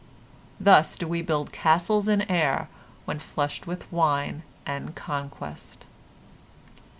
Thus do we build castles in air when flushed with wine and conquest.